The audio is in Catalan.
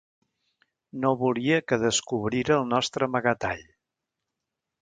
No volia que descobrira el nostre amagatall.